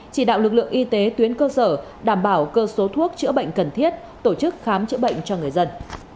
chỉ đạo lực lượng y tế tuyến cơ sở đảm bảo cơ số thuốc chữa bệnh cần thiết tổ chức khám chữa bệnh cho người dân